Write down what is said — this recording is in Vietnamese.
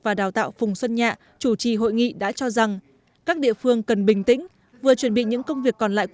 và đào tạo phùng xuân nhạ chủ trì hội nghị đã cho rằng các địa phương cần bình tĩnh vừa chuẩn bị